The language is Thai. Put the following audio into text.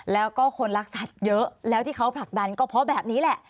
แล้วก็คนรักสัตว์เยอะแล้วที่เขาผลักดันก็เพราะแบบนี้แหละ